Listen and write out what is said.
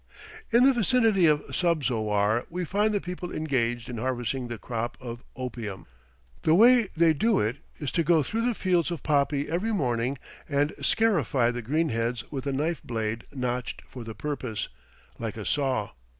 In the vicinity of Subzowar we find the people engaged in harvesting the crop of opium. The way they do it is to go through the fields of poppy every morning and scarify the green heads with a knife blade notched for the purpose, like a saw.